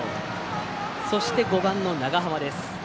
そして５番の長濱です。